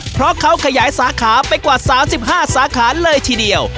เพราะเขาขยายสาขาไปกว่า๓๕สาขาเลยทีเดียว